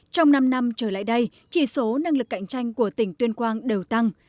trong năm năm trở lại đây chỉ số năng lực cạnh tranh của tỉnh tuyên quang đều tăng